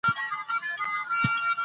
ماشومانو له د لوبو سامان اخلم